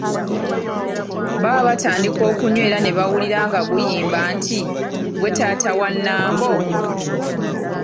Baba batandika okunywa era nebawulira nga guyimba nti, “gwe taata wa Nambo?"